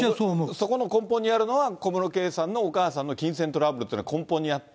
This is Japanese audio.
そこの根本にあるのが、小室圭さんのお母さんの金銭トラブルっていうのが根本にあって。